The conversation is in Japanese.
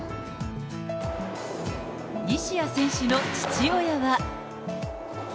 西矢選手の父親は。